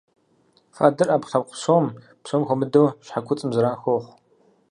Фадэр Ӏэпкълъэпкъ псом, псом хуэмыдэу щхьэ куцӀым зэран хуэхъу.